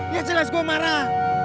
ya jelas gue marah